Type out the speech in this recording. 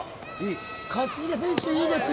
一茂選手いいですよ